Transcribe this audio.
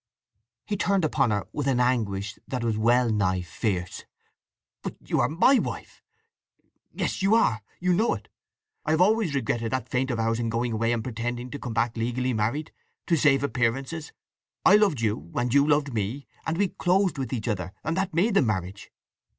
He turned upon her with an anguish that was well nigh fierce. "But you are my wife! Yes, you are. You know it. I have always regretted that feint of ours in going away and pretending to come back legally married, to save appearances. I loved you, and you loved me; and we closed with each other; and that made the marriage.